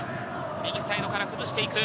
右サイドから崩していく。